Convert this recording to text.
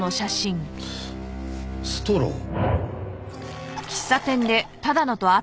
ストロー？